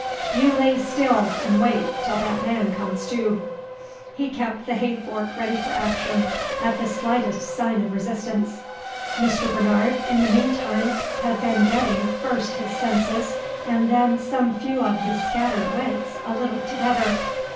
"Yeou lay still, 'n' wait t'll that man comes tew." He kept the hay fork ready for action at the slightest sign of resistance. Mr. Bernard, in the mean time, had been getting, first his senses, and then some few of his scattered wits, a little together.